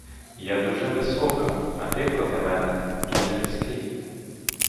Я дуже висока, а ти проти мене дуже низький.